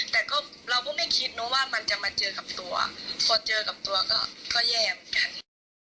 แต่ก็เราไม่คิดว่ามันจะมาเจอกับตัวของเจอกับตัวก็แย่แบบนั้น